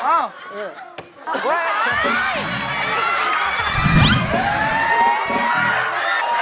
โอ้ย